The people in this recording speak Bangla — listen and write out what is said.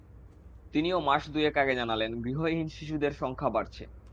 তিনিও মাস দুয়েক আগে জানালেন, গৃহহীন শিশুদের সংখ্যা বাড়ছে।